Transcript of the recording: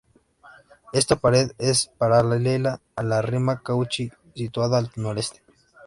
Esta pared es paralela a la Rima Cauchy, situada al noreste.